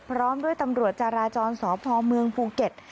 พร้อมด้วยตำรวจจาราจรสพเมืองภูเก็ต